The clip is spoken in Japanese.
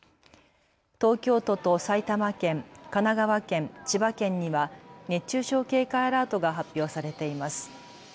東京都と埼玉県、神奈川県、千葉県には熱中症警戒アラートが発表されています。